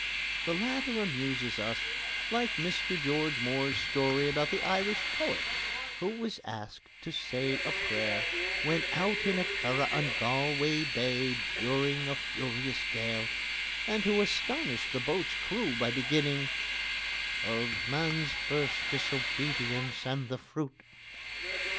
The latter amuses us like Mr George Moore's story about the Irish poet who was asked to say a prayer when out in a curragh on Galway Bay during a furious gale, and who astonished the boat's crew by beginning: "Of man's first disobedience and the fruit."